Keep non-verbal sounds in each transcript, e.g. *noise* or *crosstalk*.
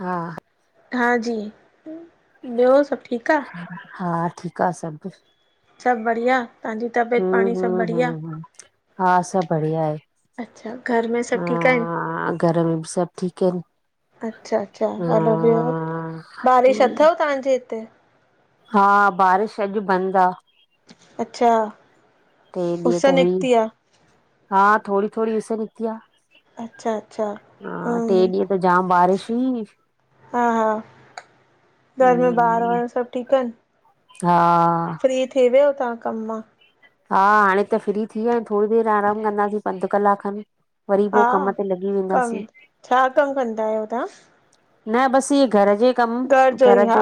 हा। हा जी, ॿियो सभु ठीकु आ? हा ठीक आ सभु। सभु बढ़िया, तव्हांजी तबियत हम पाणी सभु हम बढ़िया? हम हम हा सभु बढ़िया आहे। अच्छा घर में सभु हा, ठीकु आहिनि? हा, घर में सभु ठीकु आहिनि? अच्छा- अच्छा, हलो ॿियो बारिश अथव तव्हांजे हिते? हा बारिश अॼु बंदि आ। अच्छा, टे ॾींह उस त हुई निकिती आ हा थोड़ी थोड़ी उस निकिती आ। अच्छा अच्छा हा टे हम्म ॾींहं त जाम बारिश हुई। हा- हा, घर में ॿार हम्म वार सभु ठीकु आहिनि? हा। फ्री थी वियो तव्हां कम मां? हा हाणे त फ्री थी विया, थोड़ी देरि आरामु कंदासीं अधु कलाक खनि, वरी पो हा कम ते लॻी वेंदासीं। कमु छा कमु कंदा आहियो तव्हां? न बस इ घर जे घर जो ई हा।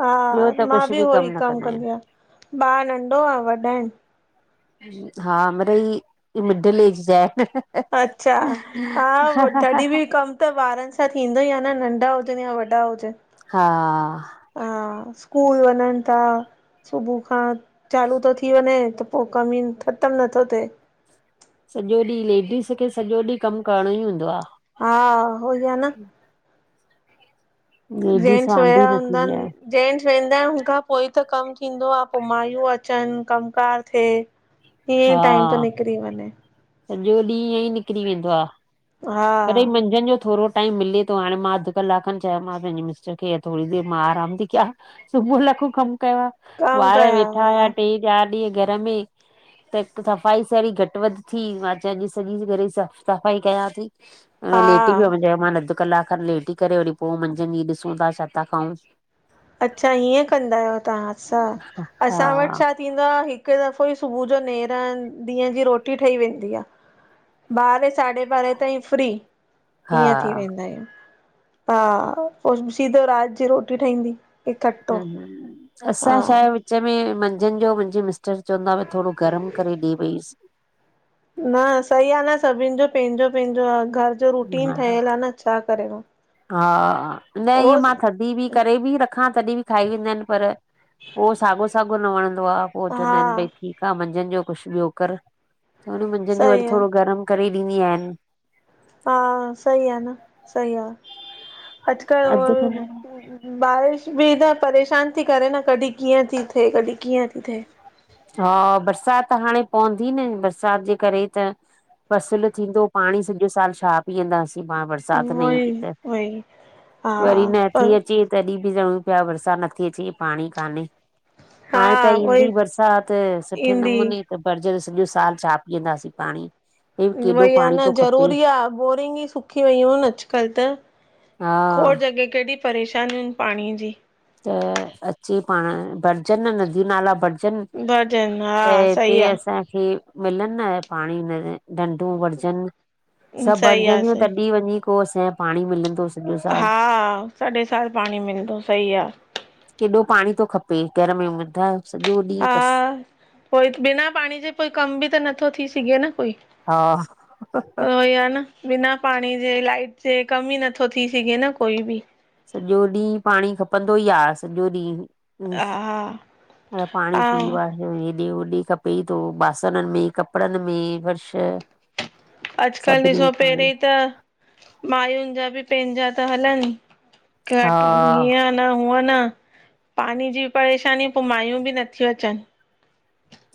हा, ॿियो त मां कुझु बि उहो ई न कमु कंदा आहियूं कंदी आहियां, ॿार नंढो आ वॾा आहिनि? हा मिड़ई मिडल एज़ जा आहिनि। अच्छा हा तॾहिं बि कम त ॿारनि सां थींदो ई आ न नंढा हुजिनि या वॾा हुजनि। हा। हा स्कूल वञन ता, सुबुह खां चालू तो थी वञे त पो कम ई ख़तमु नथो थिए। सॼो ॾींहुं लेडीस खे सॼो ॾींहुं कमु करणो ई हूंदो आ। हा उहोई आ न। लेडीस जेंट्स वांदी वया न हूंदा थींदी आहे आहिनि, जेंट्स वेंदा आहिनि हुनखां पोइ त कमु थींदो आ, पो माइयूं अचनि कमु कार थिए। हा ईयंइ टाइम तो निकरी वञे। सॼो ॾींहुं ईअं ई निकिरी वेंदो आ हा कॾहिं मंझंदि जो थोड़ो टाइम मिले तो हाणे मां अधु कलाक खनि चयोमांसि पंहिंजे मिस्टर खे थोड़ी देरि मां आराम ती कयां, सुबुह लाखूं कमु कयो आ, कमु ॿार कयां वेठा हा हुआ टे चारि ॾींहं घर में त हिकु सफ़ाई सहिड़ी घटि वधि थी मां चयो अॼु सॼी घर जी स सफ़ाई कयां ती। अ लेटी हा पियम, *unintelligible* मां न त कलाक खन लेटी करे, वरी पोइ मंझंदि ॾींहुं ॾिसूं था छा था खाऊं। अच्छा हीअं कंदा आहियो तव्हां असां, असां वटि हा छा थींदो आ, हिकु दफ़ो ई सुबुह जो नेरन, ॾींहं जी रोटी ठही वेंदी आ। ॿारहें साढे ॿारहें ताईं फ्री, हा ईअं थी वेंदा आहियूं। हा, पो सिधो राति जी रोटी ठाहींदी। हं, हं असां छा आहे विच में मंझंदि जो मुंहिंजो मिस्टर चवंदा आ, भ थोरो गरम करे ॾेई वईसि। न सही आ न, सभिनि जो पंहिंजो पंहिंजो आ, घर जो रुटीन हा ठहियलु आ न छा करयो हा, न ईअं मां थधी बि करे बि रखां, तॾीं बि खाई वेंदा आहिनि पर उहो साॻो साॻो न वणंदो आ, पोइ चवंदा हा आहिनि भई ठीकु आ, मंझंदि जो कुझु ॿियो कर त हुन मंझंदि जो सही वरी आहे थोरो गरम करे ॾींदी आहियांन हा सही आ न, सही आ, अॼुकल्ह अधु उहो कलाक बारिश बि त परेशान थी करे न, कॾहिं कीअं थी थिए, कॾहिं कीअं थी थिए हा बरसाति त हाणे पवंदी न, बरसाति जे करे त फसुलु थींदो, पाणी सॼो साल छा पीअंदासीं प बरसात न ईंदी उहोई त, उहोई हा वरी नथी पर अचे तॾीं बि चऊं पिया बरसाति नथी अचे, पाणी काने, हा हाणे त उहोई ईंदी बरसाति त सुठे ईंदी नमूने त बरजर सॼो साल छा पीअंदासीं पाणी हे उहो केॾो ई आ पाणी न, थो खपे ज़रूरी आ बोरिंग ई सुखी वयूं आहिन अॼकल्ह त हा खोड़ जॻह केॾी परेशानीयूं आहिन पाणीअ जी त अचे पाण, भरजनि न नदियूं नाला भरज अचनि, भॼन हा त हिते सही आहे असांखे मिलनि न पाणी न डंडूं भरजनि, सभु सही आहे भरजंदियूं सही तॾीं वञी पोइ असांएं पाणी मिलंदोस हा, सॼो साल पाणी मिलंदो सही आ केॾो पाणी थो खपे घर में, ॿुधायो सॼो ॾींहुं बस हा, पोइ बिना पाणी जे कोई कम बि त नथो थी सघे न कोई हा उहोई आ न बिना पाणी जे, लाइट जे, कम ई नथो थी सघे न कोई बि। सॼो ॾींहुं पाणी खपंदो ई आ, सॼो ॾींहुं हं, हा हाणे पाणी हा पी व हेॾे होॾे खपे ई थो, बासणनि में, कपिड़नि में फर्श अॼकल्ह सभिनी में ॾिसो, पाणी पहिरीं त मायुनि जा बि पंहिंजा ता हलनि, हा घटि न हुअं न, पाणी जी परेशानी पोइ माइयूं बि नथियूं अचनि।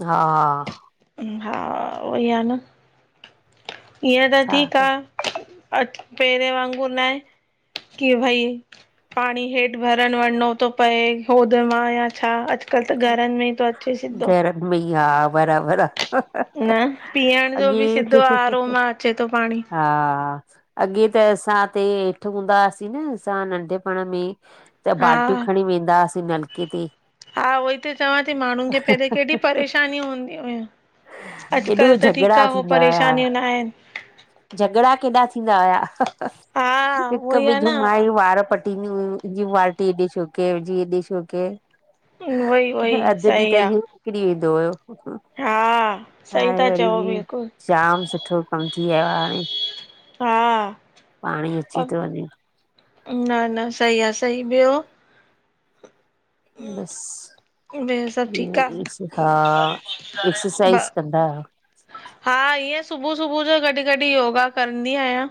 हा हा हा, उहई आ न ईअं त छा ठीक आ कर अ पहिरियें वांगुर न आहे कि भाई पाणी हेठि भरण वञिणो थो पए, होद मां या छा अॼ कल त घरनि में ई थो अचे सिधो। भई हा, बराबरि आ। न पीअण जो अॻे, बि सिधो आरोमा अचे थो पाणी हा अॻे त असांते हेठि हूंदा हुआसीं न असां नंढपण में त बाल्टियूं हा खणी वेंदा हुआसीं नलके ते, हा उहो ई त चवां ती माण्हुनि खे पहिरियों केॾी परेशानी हूंदी हुयूं, केॾो अॼुकल्ह त ठीकु झगड़ा आ हो थींदा हुया परेशानियूं न आहिनि। झगड़ा केॾा थींदा हुया हा हिक उहोई ॿिए आहे जो मायूं न वार पट टींदी हुंयूं मुंहिंजी बाल्टी हेॾे छो कयि मुंहिंजी हेॾे छो कयि? उहोई उहोई अधु ॾींहं सही त इहो आहे निकिरी वेंदो हुयो। हा सही हाणे था वरी चओ बि, बिल्कुलु जाम सुठो कमु थीयो आ हाणे, हा पाणी अची तो वञे। न न सही आ सही, ॿियो? ॿियो सभु ठीकु आहे बसि, हा, एक्सरसाइज़ कंदा रहो। हा, ईअं सुबुह- सुबुह जो गॾु -गॾु योगा कंदी आहियां।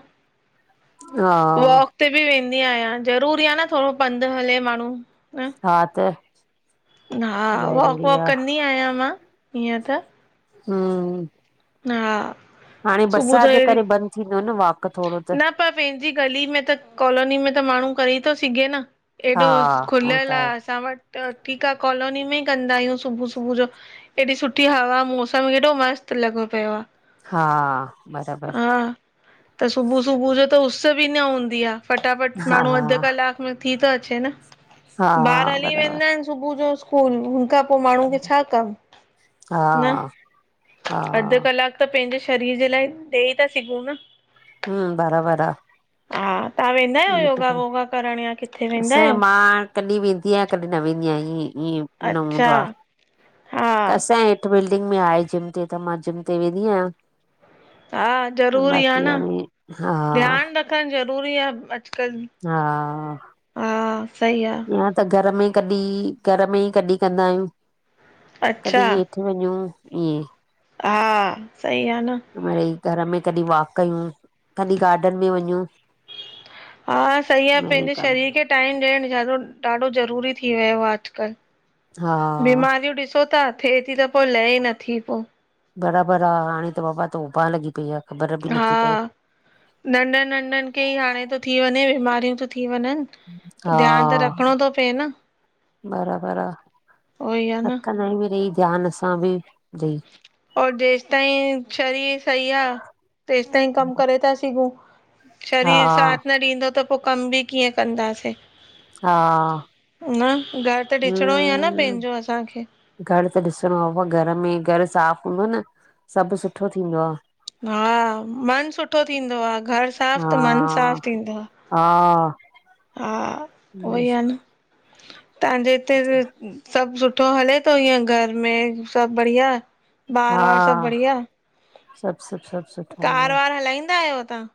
हा वाक ते बि वेंदी आहियां ज़रूरी आ न थोड़ो पंधि हले माण्हू हं। हा त, हा वॉक ज़रूरी -वॉक आ कंदी आहियां मां हीअं त, हं, हा। हाणे सुबुह जो बरसाति जे अहिड़ी करे बंदि थींदो न वॉक थोड़ो त, न पर पंहिंजी गली में त कॉलोनी में त माण्हू करे तो सघे न, हा एॾो उहो त खुलियल आ आहे असां वटि त ठीकु आ कॉलोनी में ई कंदा आहियूं, सुबुह सुबुह जो एॾी सुठी हवा मौसम हेॾो मस्त लॻो पियो आ। हा बराबर, त सुबुह सुबुह जो त उस बि न हूंदी आ, फटाफट हा माण्हू अधु कलाकु थी तो अचे न हा ॿार हली बराबर वेंदा आहिनि, सुबुह जो स्कूल हुन खां पो माण्हू खे छा कम हा न, हा अधु कलाकु त पंहिंजे शरीर जे लाइ ॾेई ता सघूं न, हम्म बराबर आ। हा तव्हां वेंदा आहियो योगा वोगा करण, या किथे वेंदा असांजे आहियो? मां कॾहिं वेंदी आहियां कॾहिं न वेंदी आहियां, ईअं -ईअं, अच्छा। हा कसांजे हेठि बिल्डिंग में आहे, जिम ते त मां जिम ते वेंदी आहियां। हा, ज़रूरी आ बाक़ी न हाणे हा ध्यानु रखणु ज़रूरी आ अॼुकल्ह, हा। हा सही आहे त घर में कॾहिं घर में ई कॾहिं कंदा आहियूं, कॾहिं अच्छा हेठ वञूं इएंं, हा, सही आ न। मिड़ई घर में कॾहिं वॉक कयूं, कॾहिं गार्डन में वञूं, हा सही आ, मिड़ई पंहिंजे कम शरीर खे टाइम ॾियणु ाढो ॾाढो ज़रूरी थी वियो आ अॼुकल्ह। हा बीमारियूं ॾिसो ता थिए ती त पो लहे ई नथी पो। बराबरि आ हाणे त बाबा तोभां लॻी पई आ। ख़बर बि हा, नथी पए नंढनि नंढनि खे ई हाणे तो थी वञे, बीमारियूं तो थी वञनि। त हा। ध्यानु त रखिणो थो पए न बराबरि आ उहो ई आहे न रखंदायूं मिड़ई ध्यान असां बि, और जेसि ताईं शरीर सही आहे तेसि ताईं कम करे था सघूं। हा शरीर साथ न ॾींदो त पो कम बि कीअं कंदासीं। हा न घर त ॾिसणो ई आ न हम्म पंहिंजो असांखे। घर त ॾिसणो आ अबा घर में घरु साफ़ हूंदो आ न सभ सुठो थींदो आ। हा मन सुठो थींदो आ घर साफ़ त मन साफ़ हा थींदो आ। हा उहो ई आहे *unintelligible* न तव्हांजे हिते सब सुठो हले थो इअं घर में सब बढ़िया आ? हा सब सूठो कार वार हलाईंदा आहियो तव्हां?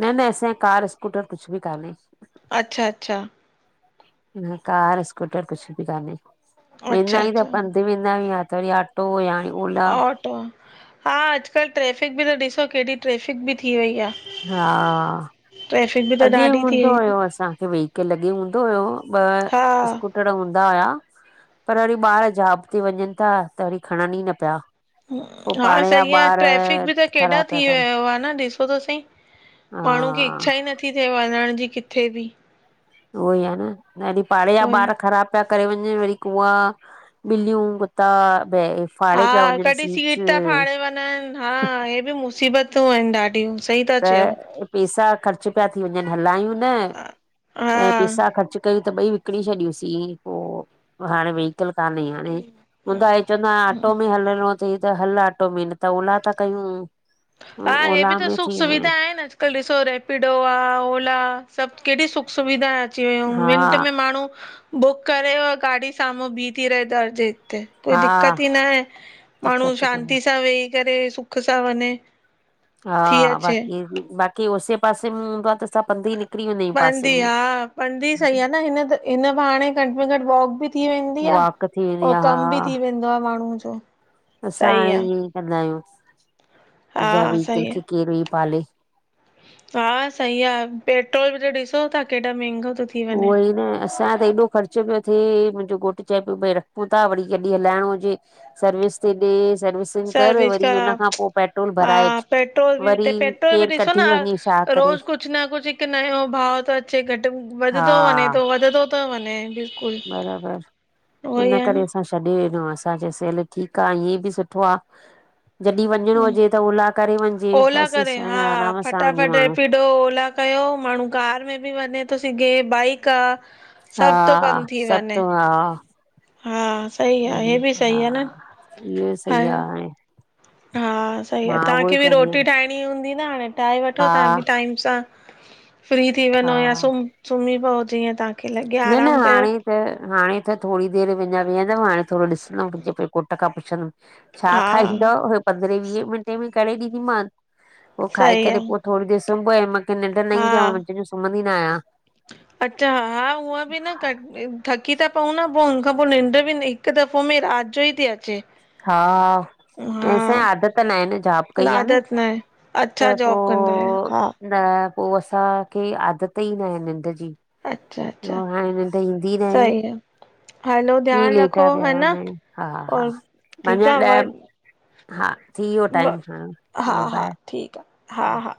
न न असांखे कार स्कूटर कुछ भी कान्हे। अच्छा अच्छा कार स्कूटर कुछ भी काने वेंदा अच्छा आहियु त अच्छा पंध वेंदा आहिय या त वरी ऑटो या ओला। ऑटो हा अॼुकल्ह ट्रेफिक बि त ॾिसो केॾी ट्रेफिक बि थी वई आ। हा ट्रैफ़िक बि त अॻे ॾाढी थी हूंदो वई आ। हुयो असांखे वेहीकल अॻे हूंदो हुयो हा ॿ स्कूटर पैरो हूंदा हुया पर वरी ॿार जौब ते वञनि था त वरी खणनि ही न पिया। पोइ हा पाड़े जा सही आ ॿार ट्रेफिक बि त केॾा ख़राब पिया थी कनि वयो आ न ॾिसो त सही। हा माण्हू खे इच्छा ही नथी थिए वञण जी किथे बि। उहो ही आ न यॾी पाड़े जा उहोई ॿार ख़राब पिया करे वञनि वरी कुूआ ॿिलियूं कुत्ता ब हा कॾहिं सीट था फाड़े वञनि हा हहे बि मुसीबतूं आहिनि ॾाढियूं। सही था चयो। त पैसा ख़र्च पिया थी वञनि हलायूं न हा हा ऐं पैसा ख़र्च कयूं त ॿई विकणी छॾियूंसीं पो हाणे वेही मुश्किल काने हाणे हूंदा हे चवंदा ऑटो में हलणो चई त हल आटो में न त ओला था कयूं हा, हे बि ओला त में सुख थी वेंदा सुविधा आहिनि अॼुकल्ह ॾिसो रेपिडो आ ओला सब केॾी सुख सुविधा आहे। अची वूं हा मिंट में माण्हू बुक करे गाॾी साम्हूं भी थी रहे दरजे। कोई हा दिक़्कत ही ना आहे माण्हू दिक़त कान्हे शांती सां वेही करे सुख सां वञे। थी हा अचे। बाकी बाकी उसै पासे में हूंदो आ त असां पंध ही निकिरी वेंदा। आहियूं पध पासे ही में हा पधी सही आ न हिन बाहाणे घट में घट वॉक बि थी वेंदी आ। वॉक थी वेंदी अउ आहे कम बि हा थी वेंदो आ माण्हूअ जो। असां सही हाणे आ ईअं कंदा आहियूं अजाई हा वेही किल सही आ किल वई पाले। हा सही आहे पेट्रोल बि त ॾिसो था केॾा महांगा थो थि उहो ही न असांजो त एॾो ख़र्च पियो थिए मुंहिंजो घोटु चए पियो भाई रखूं था वरी कॾहिं हलाइणो हुजे सर्विस थीं ॾे सर्विस वरी कर सर्विस करा हुन खां पो पेट्रोल हा भराए अच पेट्रोल बि वरी केर कढी वञे छा करे। कुछ न कुछ हिक नयो भाव थो अचे घट वधंदो हा थो वञे थो वधंदो थो वञे। बिल्कुलु बराबर उहो ई इन आ करे न असां छॾे ॾिनो असां चयोसी हल ठीक आ ईअं बि सुठो आ। जॾहिं वञिणो हा हुजे त ओला करे वञिजे बस आराम सां वञे माण्हूं। कयो ओला कयो, माण्हू कार में बि वञे थो सघे, बाइक आ हा, सभ थो कम थी सब वञे तूं आ हा सही आ हे बि हा, सही आ न इहो हा सही आ हाणे। हा सही आ, मां उहो ई तव्हांखे बि चवंदी रोटी आहियां ठाहिण फ्री हूंदी न हाणे, ठाहे वठो हा तव्हां बि टाइम सां फ्री थी वञो या हा सुम सुम्ही पव जीयं तां न न हाणे त हाणे त थोरी देर अञा वेहंदमि, हाणे थोरो ॾिसंदमि, पंहिंजे घोट खां पुछंदम छा हा खाईंदोव उहे पंद्रहें वीहे मिंटे में करे ॾींदीमांन, पोइ खाई सही आ करे पोइ थोरी देर सुम पयम, मूंखे निंड न ईंदी आ, मां हा मंझदि जो सुम्हंदी न आहियां। अच्छा, हा उहा बि न क थक थकी ता पऊं न, पोइ हुन खां पोइ निंड बि हिकु दफ़ो में राति जो ई थी अचे। हा ऐं असांजी हा आदत न आहे न, जॉब कई आ न आदत आहे अच्छा त जॉब कंदा आहियो पोइ, हा न पोइ असांखे आदत ई न आहे निंड जी अच्छा उ अच्छा हाणे निंड ईंदी न आहे। हलो हीअं ध्यानु रखो लेटा पिया है न हूंदा आहियूं। हा हा, और ठीकु अञां आहे व ॾह हा थी वयो टाइम हाणे, हलो बाऐ! ठीक आ, हा हा